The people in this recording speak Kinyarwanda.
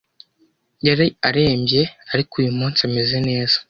Yari arembye, ariko uyu munsi ameze neza.